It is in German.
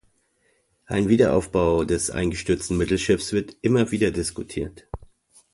Ein Wiederaufbau des eingestürzten Mittelschiffs wird immer wieder diskutiert.